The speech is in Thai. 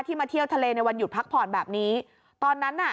มาเที่ยวทะเลในวันหยุดพักผ่อนแบบนี้ตอนนั้นน่ะ